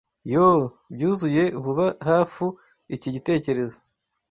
Yoo! byuzuye vuba Hafu iki gitekerezo